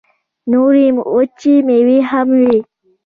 نورې وچې مېوې هم وې.